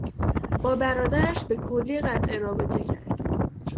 با برادرش به کلی قطع رابطه کرد.